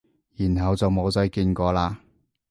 然後就冇再見過喇？